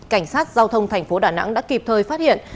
cảnh sát giao thông tp đà nẵng đã kịp thời phát hiện